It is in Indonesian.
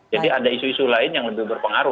jadi ada isu isu lain yang lebih berpengaruh